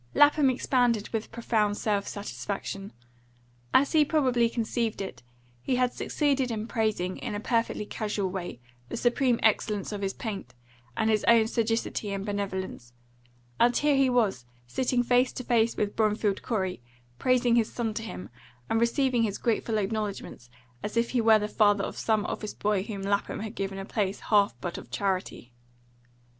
Lapham expanded with profound self satisfaction. As he probably conceived it, he had succeeded in praising, in a perfectly casual way, the supreme excellence of his paint, and his own sagacity and benevolence; and here he was sitting face to face with Bromfield Corey, praising his son to him, and receiving his grateful acknowledgments as if he were the father of some office boy whom Lapham had given a place half but of charity.